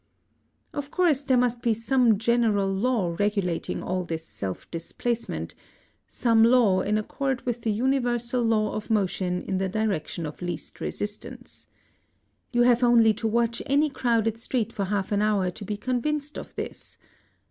Of course there must be some general law regulating all this self displacement, some law in accord with the universal law of motion in the direction of least resistance. You have only to watch any crowded street for half an hour to be convinced of this.